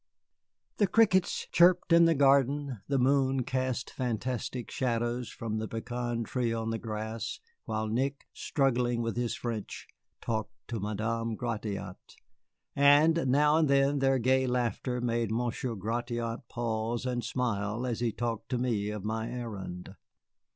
The crickets chirped in the garden, the moon cast fantastic shadows from the pecan tree on the grass, while Nick, struggling with his French, talked to Madame Gratiot; and now and then their gay laughter made Monsieur Gratiot pause and smile as he talked to me of my errand.